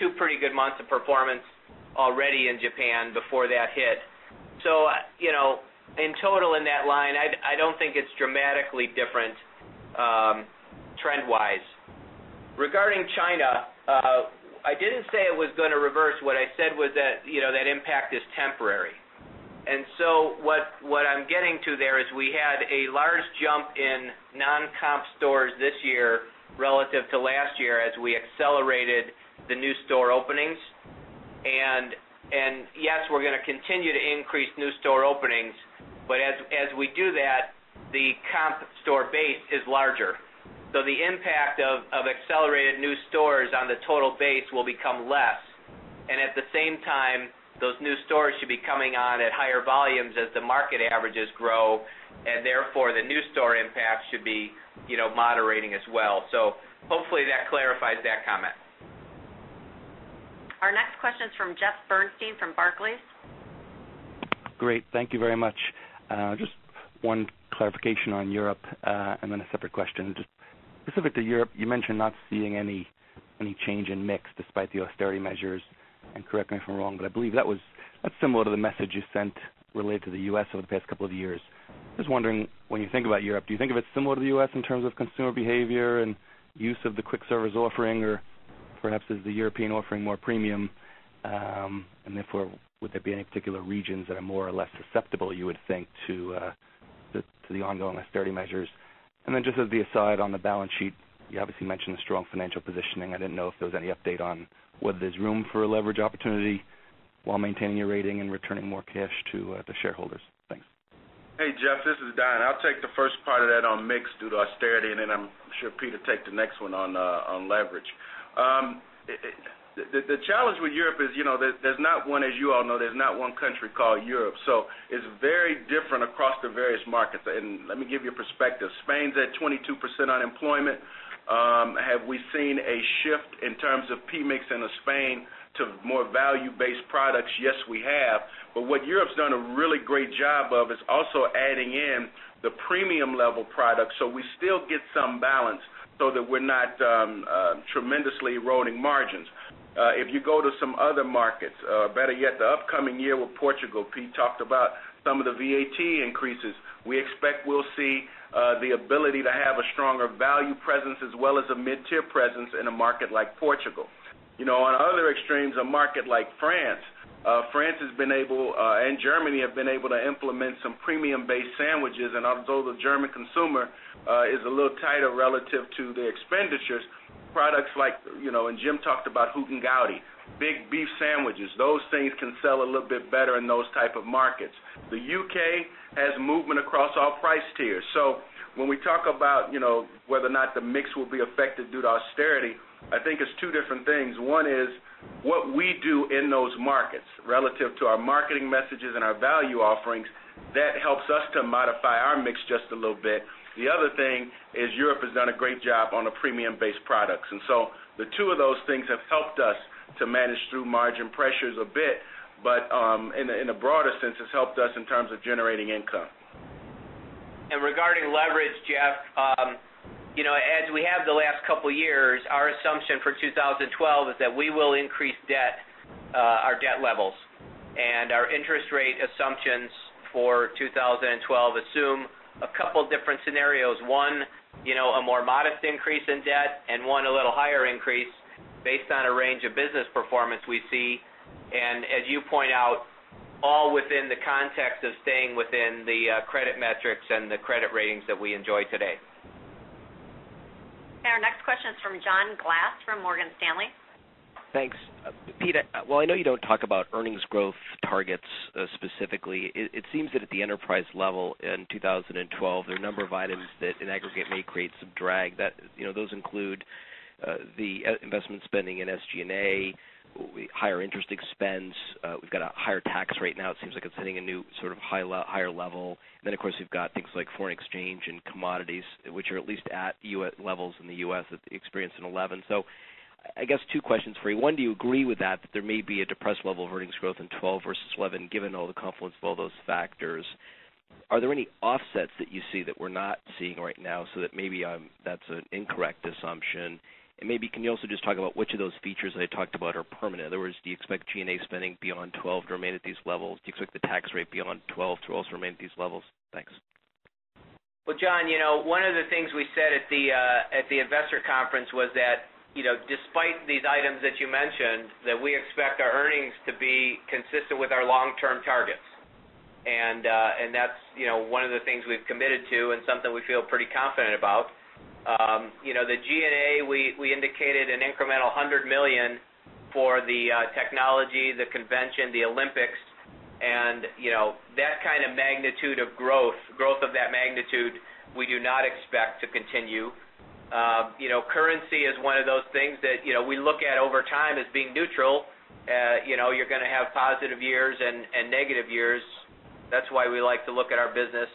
two pretty good months of performance already in Japan before that hit. In total in that line, I don't think it's a dramatically different trend-wise. Regarding China, I didn't say it was going to reverse. What I said was that impact is temporary. What I'm getting to there is we had a large jump in non-comp stores this year relative to last year as we accelerated the new store openings. Yes, we're going to continue to increase new store openings. As we do that, the comp store base is larger. The impact of accelerated new stores on the total base will become less. At the same time, those new stores should be coming on at higher volumes as the market averages grow. Therefore, the new store impact should be moderating as well. Hopefully that clarifies that comment. Our next question is from Jeff Bernstein from Barclays. Great, thank you very much. Just one clarification on Europe and then a separate question. Specific to Europe, you mentioned not seeing any change in mix despite the austerity measures. Correct me if I'm wrong, but I believe that's similar to the message you sent related to the U.S. over the past couple of years. Just wondering, when you think about Europe, do you think of it similar to the U.S. in terms of consumer behavior and use of the quick service offering? Or perhaps is the European offering more premium? Would there be any particular regions that are more or less susceptible, you would think, to the ongoing austerity measures? Just as the aside on the balance sheet, you obviously mentioned the strong financial positioning. I didn't know if there was any update on whether there's room for a leverage opportunity while maintaining your rating and returning more cash to the shareholders. Thanks. Hey Jeff, this is Don. I'll take the first part of that on mix due to austerity, and then I'm sure Pete will take the next one on leverage. The challenge with Europe is, you know, there's not one, as you all know, there's not one country called Europe. It's very different across the various markets. Let me give you a perspective. Spain's at 22% unemployment. Have we seen a shift in terms of P-mix in Spain to more value-based products? Yes, we have. What Europe's done a really great job of is also adding in the premium level products, so we still get some balance so that we're not tremendously eroding margins. If you go to some other markets, better yet, the upcoming year with Portugal, Pete talked about some of the VAT increases. We expect we'll see the ability to have a stronger value presence as well as a mid-tier presence in a market like Portugal. On other extremes, a market like France, France has been able, and Germany have been able to implement some premium-based sandwiches. Although the German consumer is a little tighter relative to the expenditures, products like, you know, and Jim talked about [Häagen-Dazs,] big beef sandwiches, those things can sell a little bit better in those types of markets. The U.K. has movement across all price tiers. When we talk about, you know, whether or not the mix will be affected due to austerity, I think it's two different things. One is what we do in those markets relative to our marketing messages and our value offerings. That helps us to modify our mix just a little bit. The other thing is Europe has done a great job on the premium-based products, and the two of those things have helped us to manage through margin pressures a bit. In a broader sense, it's helped us in terms of generating income. Regarding leverage, Jeff, as we have the last couple of years, our assumption for 2012 is that we will increase our debt levels. Our interest rate assumptions for 2012 assume a couple of different scenarios: one, a more modest increase in debt and one a little higher increase based on a range of business performance we see. As you point out, all within the context of staying within the credit metrics and the credit ratings that we enjoy today. Our next question is from John Glass from Morgan Stanley. Thanks. Peter, I know you don't talk about earnings growth targets specifically. It seems that at the enterprise level in 2012, there are a number of items that in aggregate may create some drag. Those include the investment spending in SG&A, higher interest expense. We've got a higher tax rate now. It seems like it's hitting a new sort of higher level. Of course, we've got things like foreign exchange and commodities, which are at least at U.S. levels in the U.S. that experienced in 2011. I guess two questions for you. One, do you agree with that, that there may be a depressed level of earnings growth in 2012 versus 2011, given all the confluence of all those factors? Are there any offsets that you see that we're not seeing right now? That maybe that's an incorrect assumption. Maybe can you also just talk about which of those features I talked about are permanent? In other words, do you expect G&A spending beyond 2012 to remain at these levels? Do you expect the tax rate beyond 2012 to also remain at these levels? Thanks. One of the things we said at the investor conference was that, despite these items that you mentioned, we expect our earnings to be consistent with our long-term targets. That's one of the things we've committed to and something we feel pretty confident about. The G&A, we indicated an incremental $100 million for the technology, the convention, the Olympics. That kind of magnitude of growth, growth of that magnitude, we do not expect to continue. Currency is one of those things that we look at over time as being neutral. You're going to have positive years and negative years. That's why we like to look at our business,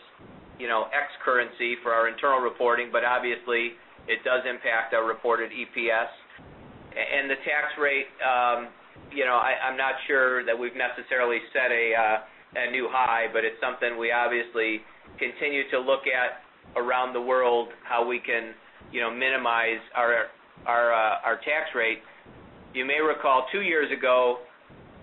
X currency for our internal reporting. Obviously, it does impact our reported EPS. The tax rate, I'm not sure that we've necessarily set a new high, but it's something we obviously continue to look at around the world, how we can minimize our tax rate. You may recall two years ago,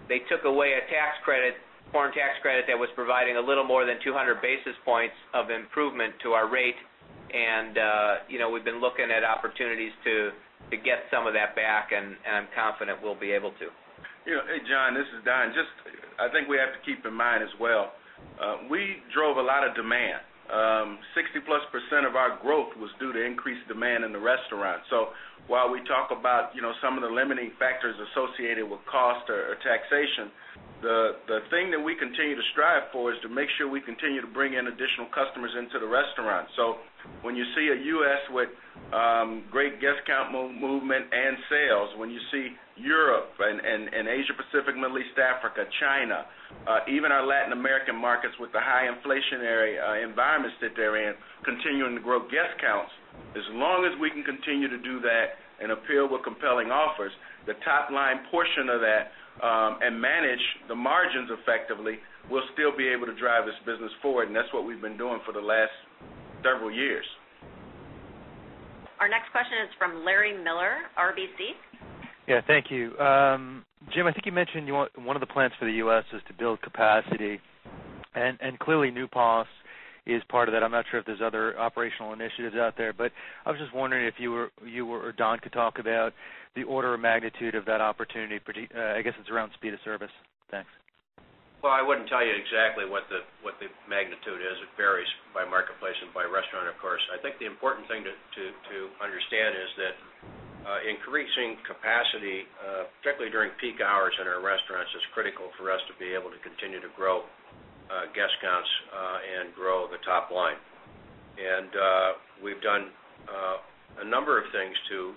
they took away a tax credit, foreign tax credit that was providing a little more than 200 basis points of improvement to our rate. We've been looking at opportunities to get some of that back. I'm confident we'll be able to. You know, hey John, this is Don. I think we have to keep in mind as well, we drove a lot of demand. 60%+ of our growth was due to increased demand in the restaurant. While we talk about, you know, some of the limiting factors associated with cost or taxation, the thing that we continue to strive for is to make sure we continue to bring in additional customers into the restaurant. When you see a U.S. with great guest count movement and sales, when you see Europe and Asia-Pacific, Middle East, Africa, China, even our Latin American markets with the high inflationary environments that they're in, continuing to grow guest counts, as long as we can continue to do that and appeal with compelling offers, the top line portion of that and manage the margins effectively, we'll still be able to drive this business forward. That's what we've been doing for the last several years. Our next question is from Larry Miller, RBC. Yeah, thank you. Jim, I think you mentioned one of the plans for the U.S. is to build capacity. Clearly, New Paws is part of that. I'm not sure if there's other operational initiatives out there. I was just wondering if you or Don could talk about the order of magnitude of that opportunity. I guess it's around speed of service. Thanks. I wouldn't tell you exactly what the magnitude is. It varies by marketplace and by restaurant, of course. I think the important thing to understand is that increasing capacity, particularly during peak hours in our restaurants, is critical for us to be able to continue to grow guest counts and grow the top line. We've done a number of things to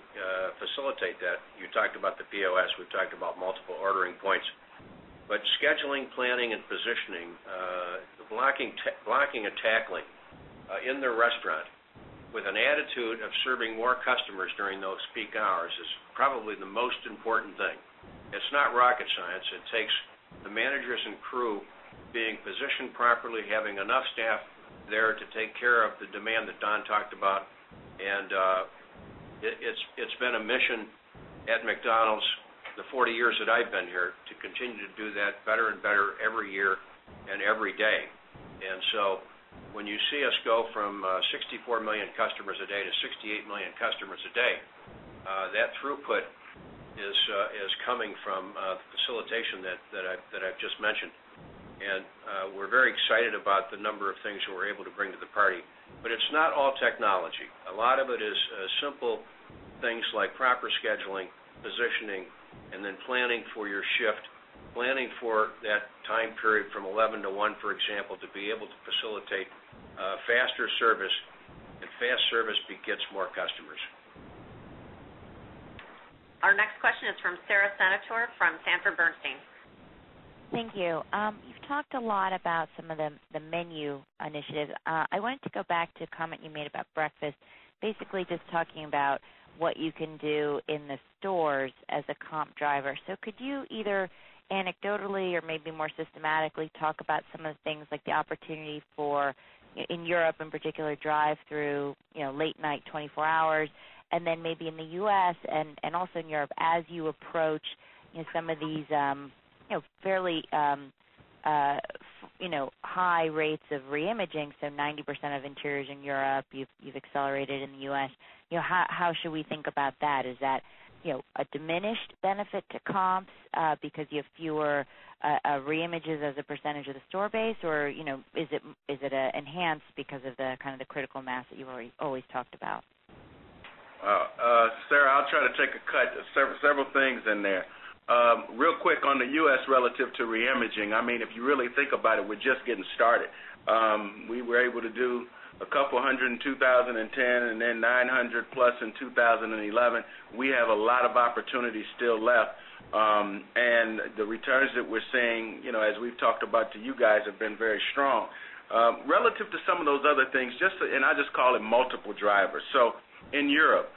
facilitate that. You talked about the POS, we've talked about multiple ordering points. Scheduling, planning, and positioning, blocking and tackling in the restaurant with an attitude of serving more customers during those peak hours is probably the most important thing. It's not rocket science. It takes the managers and crew being positioned properly, having enough staff there to take care of the demand that Don talked about. It's been a mission at McDonald's the 40 years that I've been here to continue to do that better and better every year and every day. When you see us go from 64 million customers a day to 68 million customers a day, that throughput is coming from the facilitation that I've just mentioned. We're very excited about the number of things that we're able to bring to the party. It's not all technology. A lot of it is simple things like proper scheduling, positioning, and then planning for your shift, planning for that time period from 11:00 A.M. to 1:00 P.M., for example, to be able to facilitate faster service. Fast service gets more customers. Our next question is from Sara Senatore from Sanford Bernstein. Thank you. You've talked a lot about some of the menu initiatives. I wanted to go back to a comment you made about breakfast, basically just talking about what you can do in the stores as a comp driver. Could you either anecdotally or maybe more systematically talk about some of the things like the opportunity for, in Europe in particular, drive-thru, late night, 24 hours, and then maybe in the U.S. and also in Europe as you approach some of these fairly high rates of reimaging? 90% of interiors in Europe, you've accelerated in the U.S. How should we think about that? Is that a diminished benefit to comps because you have fewer reimages as a percentage of the store base, or is it enhanced because of the kind of the critical mass that you've already always talked about? Sarah, I'll try to take a cut of several things in there. Real quick on the U.S. relative to reimaging, I mean, if you really think about it, we're just getting started. We were able to do a couple hundred in 2010 and then 900+ in 2011. We have a lot of opportunities still left, and the returns that we're seeing, you know, as we've talked about to you guys, have been very strong. Relative to some of those other things, just, and I just call it multiple drivers. In Europe,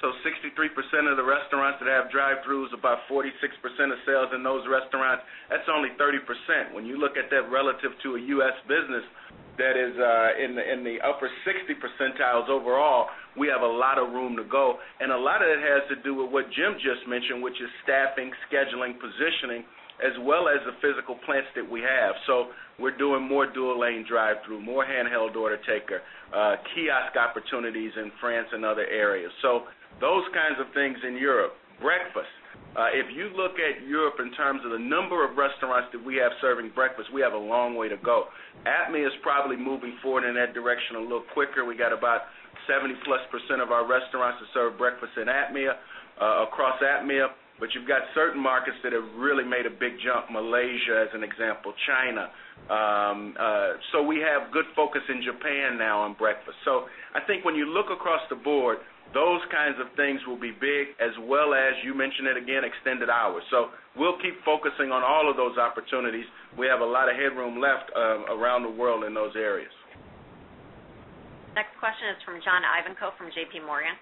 drive-through, 63% of the restaurants that have drive-throughs is about 46% of sales in those restaurants. That's only 30%. When you look at that relative to a U.S. business that is in the upper 60% overall, we have a lot of room to go. A lot of it has to do with what Jim just mentioned, which is staffing, scheduling, positioning, as well as the physical plants that we have. We're doing more dual lane drive-through, more handheld order taker, kiosk opportunities in France and other areas. Those kinds of things in Europe. Breakfast, if you look at Europe in terms of the number of restaurants that we have serving breakfast, we have a long way to go. APMEA is probably moving forward in that direction a little quicker. We got about 70%+ of our restaurants that serve breakfast at APMEA, across APMEA. You've got certain markets that have really made a big jump, Malaysia as an example, China. We have good focus in Japan now on breakfast. I think when you look across the board, those kinds of things will be big, as well as you mentioned it again, extended hours. We'll keep focusing on all of those opportunities. We have a lot of headroom left around the world in those areas. Next question is from John Ivankoe from JPMorgan.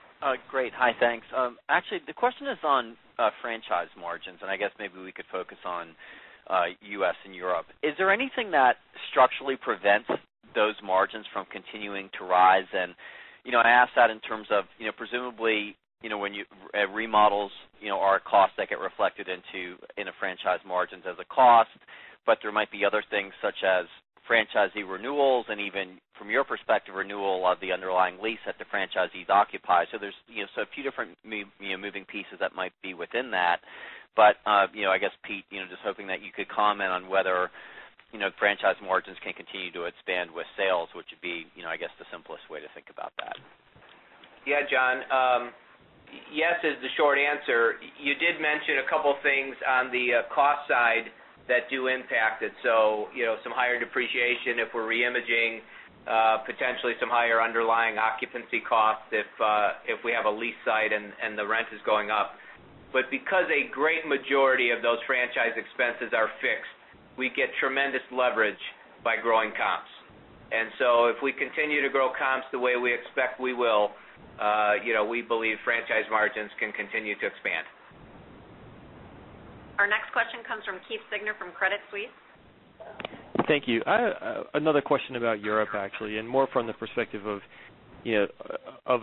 Great, hi, thanks. Actually, the question is on franchise margins. I guess maybe we could focus on the U.S. and Europe. Is there anything that structurally prevents those margins from continuing to rise? I ask that in terms of, presumably, when you have remodels, you know, are at costs that get reflected into franchise margins as a cost. There might be other things such as franchisee renewals and even, from your perspective, renewal of the underlying lease that the franchisees occupy. There are a few different moving pieces that might be within that. I guess, Pete, just hoping that you could comment on whether franchise margins can continue to expand with sales, which would be, I guess, the simplest way to think about that. Yeah, John. Yes, is the short answer. You did mention a couple of things on the cost side that do impact it. Some higher depreciation if we're reimaging, potentially some higher underlying occupancy costs if we have a lease site and the rent is going up. Because a great majority of those franchise expenses are fixed, we get tremendous leverage by growing comps. If we continue to grow comps the way we expect, we believe franchise margins can continue to expand. Our next question comes from Keith Seigner from Credit Suisse. Thank you. Another question about Europe, actually, and more from the perspective of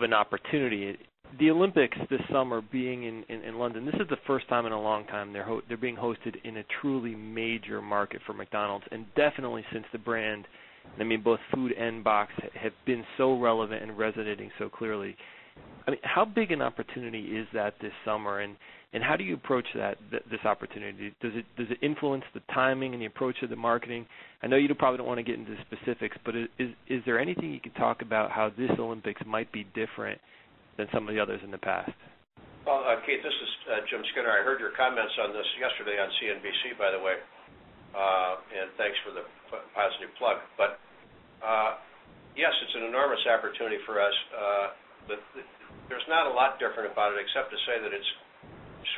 an opportunity. The Olympics this summer being in London, this is the first time in a long time they're being hosted in a truly major market for McDonald's and definitely since the brand, and I mean, both food and box have been so relevant and resonating so clearly. How big an opportunity is that this summer? How do you approach this opportunity? Does it influence the timing and the approach of the marketing? I know you probably don't want to get into specifics, but is there anything you could talk about how this Olympics might be different than some of the others in the past? Kate, this is Jim Skinner. I heard your comments on this yesterday on CNBC, by the way, and thanks for the positive plug. Yes, it's an enormous opportunity for us. There's not a lot different about it except to say that it's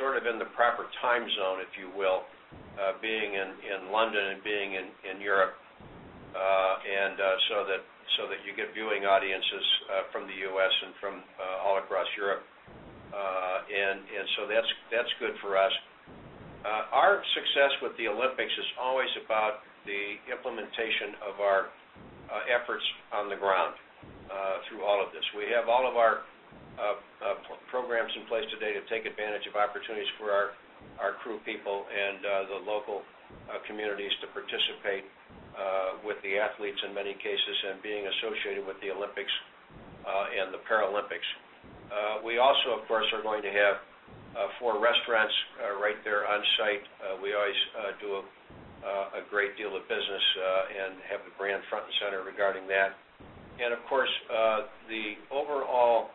sort of in the proper time zone, if you will, being in London and being in Europe, so that you get viewing audiences from the U.S. and from all across Europe. That's good for us. Our success with the Olympics is always about the implementation of our efforts on the ground through all of this. We have all of our programs in place today to take advantage of opportunities for our crew people and the local communities to participate with the athletes in many cases and being associated with the Olympics and the Paralympics. We also, of course, are going to have four restaurants right there on site. We always do a great deal of business and have the brand front and center regarding that. Of course, the overall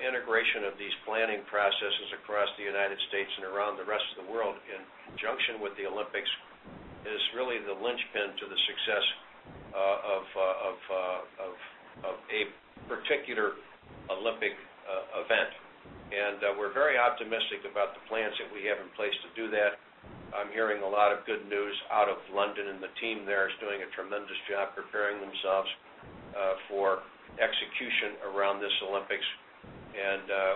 integration of these planning processes across the United States and around the rest of the world in conjunction with the Olympics is really the linchpin to the success of a particular Olympic event. We're very optimistic about the plans that we have in place to do that. I'm hearing a lot of good news out of London, and the team there is doing a tremendous job preparing themselves for execution around this Olympics.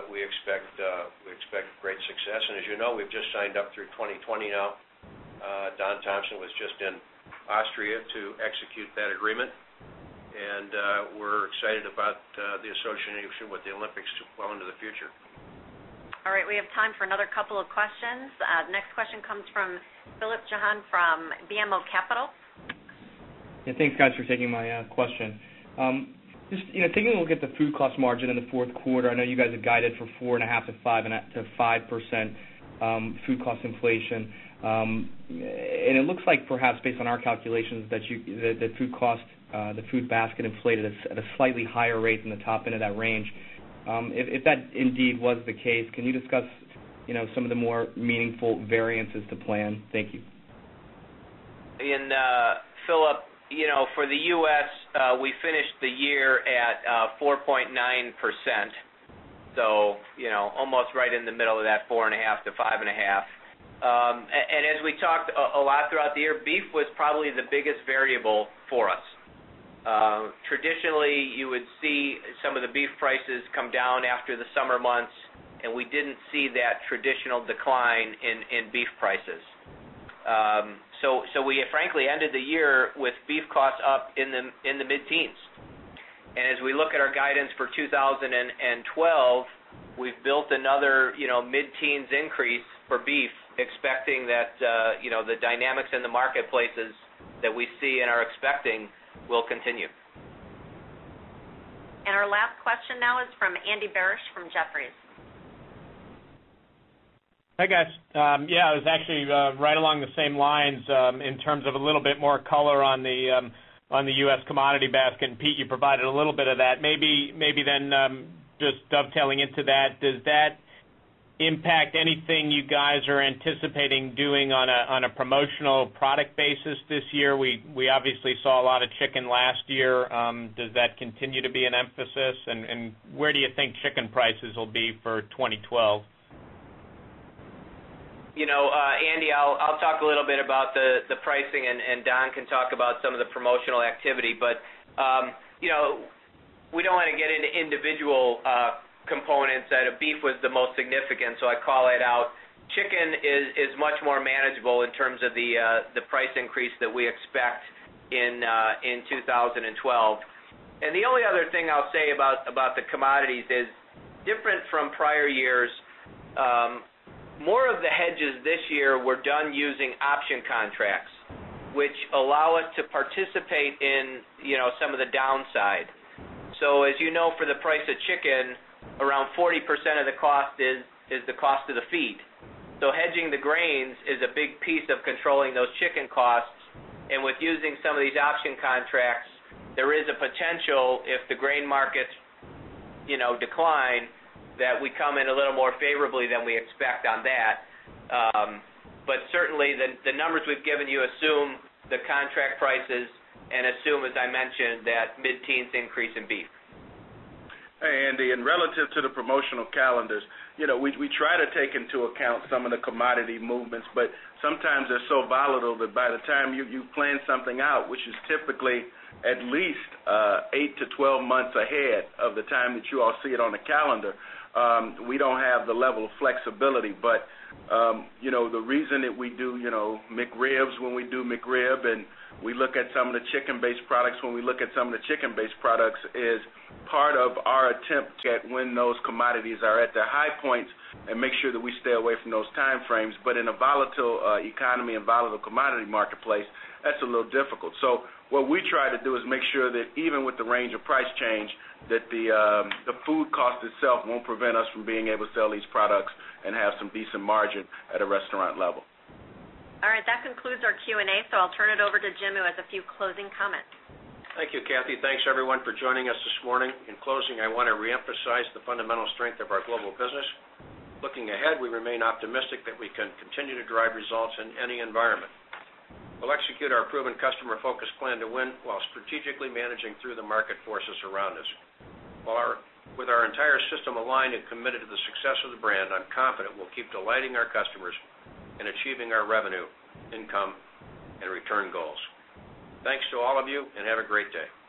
We expect great success. As you know, we've just signed up through 2020 now. Don Thompson was just in Austria to execute that agreement. We're excited about the association with the Olympics well into the future. All right, we have time for another couple of questions. The next question comes from Philip Juhan from BMO Capital. Yeah, thanks guys for taking my question. Just, you know, taking a look at the food cost margin in the fourth quarter, I know you guys have guided for 4.5%-5% food cost inflation. It looks like perhaps based on our calculations that food cost, the food basket inflated at a slightly higher rate than the top end of that range. If that indeed was the case, can you discuss, you know, some of the more meaningful variances to plan? Thank you. Philip, you know, for the U.S., we finished the year at 4.9%. Almost right in the middle of that 4.5%-5.5%. As we talked a lot throughout the year, beef was probably the biggest variable for us. Traditionally, you would see some of the beef prices come down after the summer months, and we didn't see that traditional decline in beef prices. We frankly ended the year with beef costs up in the mid-teens. As we look at our guidance for 2012, we've built another mid-teens increase for beef, expecting that the dynamics in the marketplaces that we see and are expecting will continue. Our last question now is from Andy Berish from Jefferies. Hi guys. I was actually right along the same lines in terms of a little bit more color on the U.S. commodity basket. Pete, you provided a little bit of that. Maybe then just dovetailing into that, does that impact anything you guys are anticipating doing on a promotional product basis this year? We obviously saw a lot of chicken last year. Does that continue to be an emphasis? Where do you think chicken prices will be for 2012? You know, Andy, I'll talk a little bit about the pricing, and Don can talk about some of the promotional activity. We don't want to get into individual components that beef was the most significant, so I call it out. Chicken is much more manageable in terms of the price increase that we expect in 2012. The only other thing I'll say about the commodities is different from prior years, more of the hedges this year were done using option contracts, which allow us to participate in some of the downside. As you know, for the price of chicken, around 40% of the cost is the cost of the feed. Hedging the grains is a big piece of controlling those chicken costs. With using some of these option contracts, there is a potential if the grain markets decline that we come in a little more favorably than we expect on that. Certainly, the numbers we've given you assume the contract prices and assume, as I mentioned, that mid-teens increase in beef. Hey Andy, and relative to the promotional calendars, you know, we try to take into account some of the commodity movements, but sometimes they're so volatile that by the time you plan something out, which is typically at least eight to 12 months ahead of the time that you all see it on a calendar, we don't have the level of flexibility. The reason that we do, you know, McRib when we do McRib and we look at some of the chicken-based products is part of our attempt to win those commodities are at the high points and make sure that we stay away from those time frames. In a volatile economy and volatile commodity marketplace, that's a little difficult. What we try to do is make sure that even with the range of price change, the food cost itself won't prevent us from being able to sell these products and have some decent margin at a restaurant level. All right, that concludes our Q&A. I'll turn it over to Jim who has a few closing comments. Thank you, Kathy. Thanks everyone for joining us this morning. In closing, I want to reemphasize the fundamental strength of our global business. Looking ahead, we remain optimistic that we can continue to drive results in any environment. We'll execute our proven customer-focused plan to win while strategically managing through the market forces around us. With our entire system aligned and committed to the success of the brand, I'm confident we'll keep delighting our customers and achieving our revenue, income, and return goals. Thanks to all of you, and have a great day.